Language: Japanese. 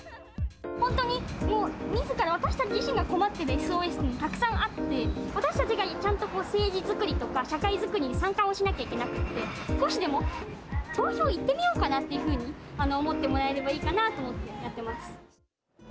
本当に、もうみずから、私たち自身が困ってるＳＯＳもたくさんあって、私たちがちゃんと政治作りとか社会作りに参加をしなきゃいけなくって、少しでも、投票行ってみようかなっていうふうに思ってもらえればいいかなと思ってやってます。